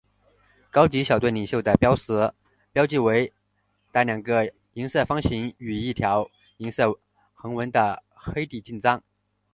高级小队领袖的识别标记为带两个银色方形与一条银色横纹的黑底襟章。